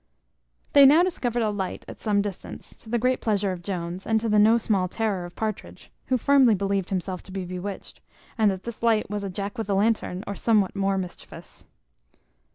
They now discovered a light at some distance, to the great pleasure of Jones, and to the no small terror of Partridge, who firmly believed himself to be bewitched, and that this light was a Jack with a lantern, or somewhat more mischievous.